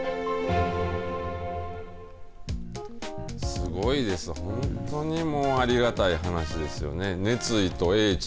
すごいです、本当にもうありがたい話ですよね。